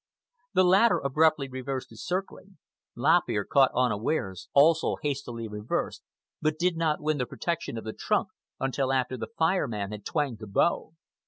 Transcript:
The latter abruptly reversed his circling. Lop Ear, caught unawares, also hastily reversed, but did not win the protection of the trunk until after the Fire Man had twanged the bow.